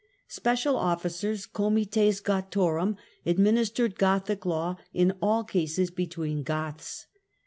Special officers — Comites Gothorum — admin istered Gothic law in all cases between Goths.